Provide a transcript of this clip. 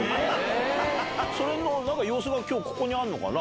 それの様子が今日あるのかな。